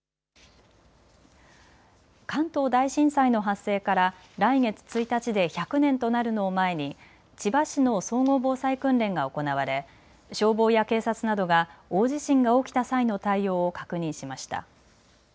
関東大震災の発生から来月１日で１００年となるのを前に千葉市の総合防災訓練が行われ消防や警察などが大地震が起きた際の対応を確認しました。